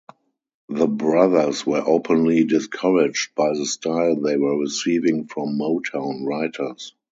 The brothers were openly discouraged by the style they were receiving from Motown writers.